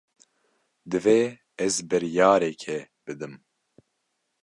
Divê ez biryarekê bidim.